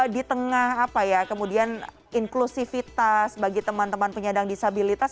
di tengah apa ya kemudian inklusivitas bagi teman teman penyandang disabilitas